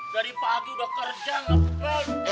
dari pagi udah kerja nge